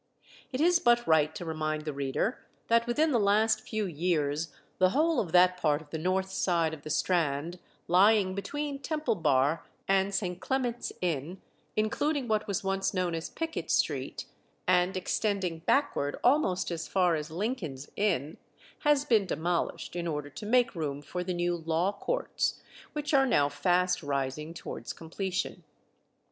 It is but right to remind the reader that within the last few years the whole of that part of the north side of the Strand lying between Temple Bar and St. Clement's Inn, including what was once known as Pickett Street, and extending backward almost as far as Lincoln's Inn, has been demolished, in order to make room for the new Law Courts, which are now fast rising towards completion.